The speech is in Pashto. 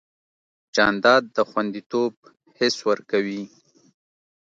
جانداد د خوندیتوب حس ورکوي.